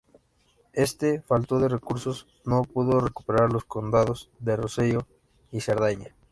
Este, falto de recursos, no pudo recuperar los condados de Rosellón y Cerdaña.